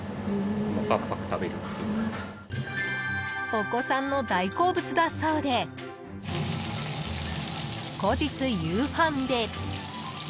［お子さんの大好物だそうで後日夕飯で］